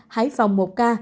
hải phòng một ca